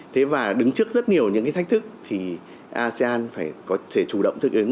thế và đứng trước rất nhiều những cái thách thức thì asean phải có thể chủ động thích ứng